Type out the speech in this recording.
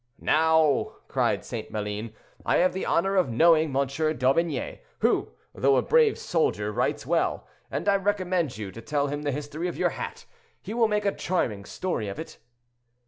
"Now," cried St. Maline, "I have the honor of knowing M. d'Aubigne, who, though a brave soldier, writes well, and I recommend you to tell him the history of your hat; he will make a charming story of it."